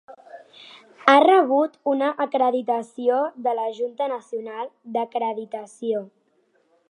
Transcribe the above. Ha rebut una acreditació de la Junta nacional d"acreditació.